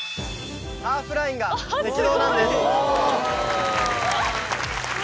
ハーフラインが赤道なんですすごい何？